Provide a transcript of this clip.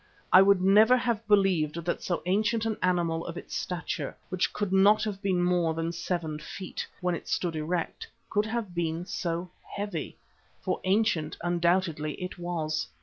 I would never have believed that so ancient an animal of its stature, which could not have been more than seven feet when it stood erect, could have been so heavy. For ancient undoubtedly it was.